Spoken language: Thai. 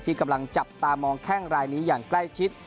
กำลังจับตามองแข้งรายนี้อย่างใกล้ชิด